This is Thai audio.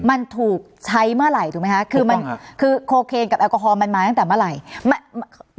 มันถูกใช้เมื่อไหร่ถูกไหมคะคือมันคือโคเคนกับแอลกอฮอลมันมาตั้งแต่เมื่อไหร่